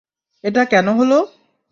এটা কেন হলো?